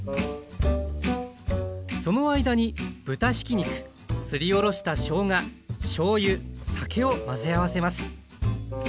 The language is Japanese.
その間に豚ひき肉すりおろしたしょうがしょうゆ酒を混ぜ合わせます。